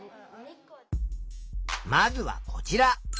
まずはこちら。